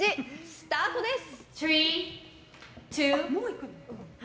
スタートです。